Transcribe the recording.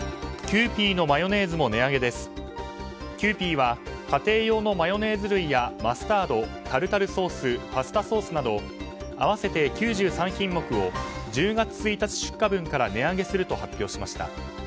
キユーピーは家庭用のマヨネーズ類やマスタード、タルタルソースパスタソースなど合わせて９３品目を１０月１日出荷分から値上げすると発表しました。